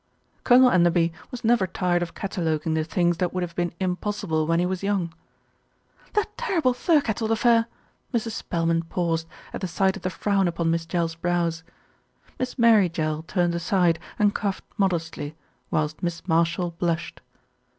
Colonel Enderby was never tired of cataloguing the things that would have been impossible when he was young. "That terrible Thirkettle affair" Mrs. Spelman paused, at the sight of the frown upon Miss Jell's brows. Miss Mary Jell turned aside and coughed modestly, whilst Miss Marshall blushed.